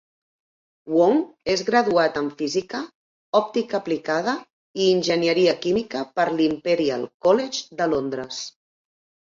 Wong és graduat en Física, Òptica Aplicada i Enginyeria Química per l'Imperial College de Londres.